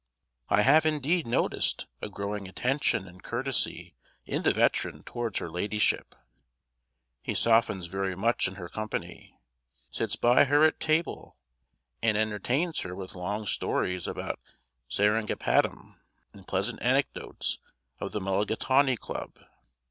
I have, indeed, noticed a growing attention and courtesy in the veteran towards her ladyship; he softens very much in her company, sits by her at table, and entertains her with long stories about Seringapatam, and pleasant anecdotes of the Mulligatawney Club.